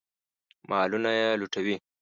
مالونه یې لوټوي.